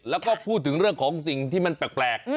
แล้วก็พูดถึงเรื่องของสิ่งที่มันแปลก